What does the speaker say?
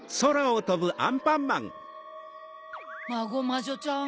マゴマジョちゃん